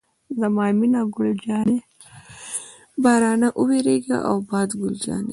زما مینه ګل جانې، بارانه وورېږه او باده ګل جانې.